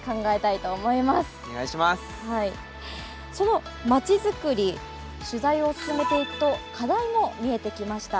そのまちづくり取材を進めていくと課題も見えてきました。